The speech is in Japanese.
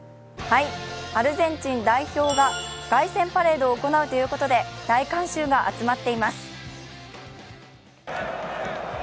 アルゼンチン代表が凱旋パレードを行うということで、大観衆が集まっています。